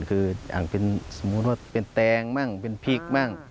คืออย่างสมมติว่าเป็นแตงเป็นผิก